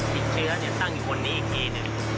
มีเชื้อตั้งอยู่หนี้อีกทีนึง